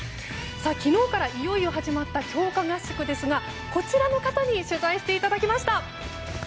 昨日から、いよいよ始まった強化合宿ですがこちらの方に取材していただきました。